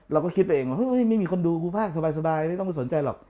เราก็คิดไปเองว่าไม่มีคนดูครูภาคสบายไม่ต้องไปสนใจหรอก